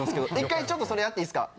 １回ちょっとそれやっていいすか？